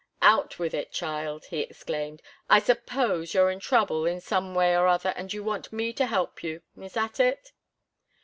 "Out with it, child!" he exclaimed. "I suppose you're in trouble, in some way or other, and you want me to help you. Is that it?"